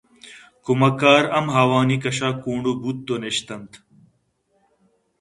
کمکار ہم آوانی کش ءَ کونڈو بوت ءُنشت اَنت